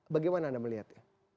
bagaimana anda melihatnya